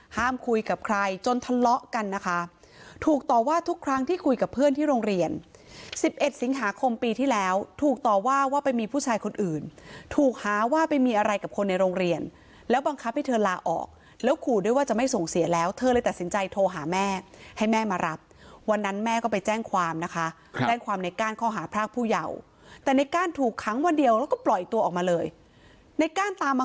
ห้ามคุยกับใครจนทะเลาะกันนะคะถูกต่อว่าทุกครั้งที่คุยกับเพื่อนที่โรงเรียน๑๑สิงหาคมปีที่แล้วถูกต่อว่าว่าไปมีผู้ชายคนอื่นถูกหาว่าไปมีอะไรกับคนในโรงเรียนแล้วบังคับให้เธอลาออกแล้วขูด้วยว่าจะไม่ส่งเสียแล้วเธอเลยตัดสินใจโทรหาแม่ให้แม่มารับวันนั้นแม่ก็ไปแจ้งความนะคะแจ้งความในก้